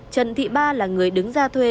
trần thị ba là người đứng ra thuê